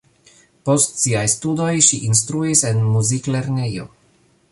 Post siaj studoj ŝi instruis en muziklernejo.